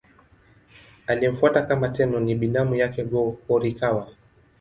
Aliyemfuata kama Tenno ni binamu yake Go-Horikawa.